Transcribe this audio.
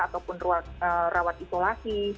ataupun rawat isolasi